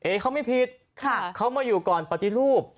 เขาไม่ผิดเขามาอยู่ก่อนปฏิรูป